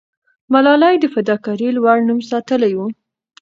ملالۍ د فداکارۍ لوړ نوم ساتلې وو.